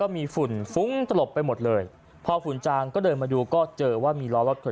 มีฝุ่นฟุ้งตลบไปหมดเลยพอฝุ่นจางก็เดินมาดูก็เจอว่ามีล้อรถ